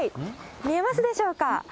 見えますでしょうか。